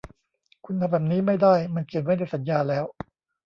คุณทำแบบนี้ไม่ได้ มันเขียนไว้ในสัญญาแล้ว